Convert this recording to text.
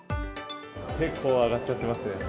結構上がっちゃってますね。